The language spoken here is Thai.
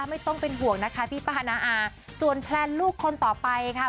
ไม่ต้องเป็นห่วงนะคะพี่ป้านาอาส่วนแพลนลูกคนต่อไปค่ะ